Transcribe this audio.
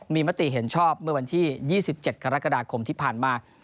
มีมติเห็นชอบเมื่อวันที่๒๗กรกฎาคมที่ผ่านมา